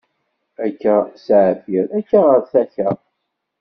Akka s aɛfir, akka ɣeṛ takka.